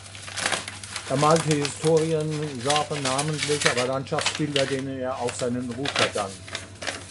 Er malte Historien-, Genre-, namentlich aber Landschaftsbilder, denen er auch seinen Ruf verdankt.